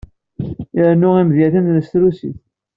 Irennu imedyaten s trusit.